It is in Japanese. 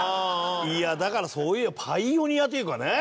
いやだからパイオニアというかね。